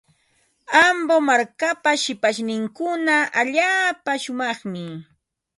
Ambo markapa shipashninkuna allaapa shumaqmi.